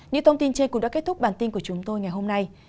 những thông tin trên cũng đã kết thúc bản tin của chúng tôi ngày hôm nay